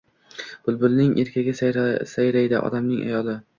Bulbulning erkagi sayraydi. Odamning-ayoli.